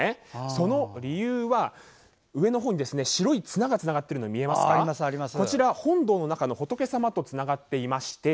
その理由は上のほうに白い綱がつながっていてこちら、本堂の中の仏様とつながっていまして